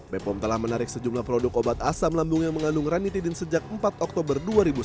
bepom telah menarik sejumlah produk obat asam lambung yang mengandung ranitidin sejak empat oktober dua ribu sembilan belas